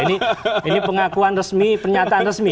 ini pengakuan resmi pernyataan resmi